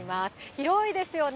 広いですよね。